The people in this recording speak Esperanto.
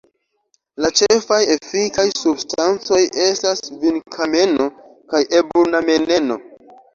La ĉefaj efikaj substancoj estas vinkameno kaj eburnameneno.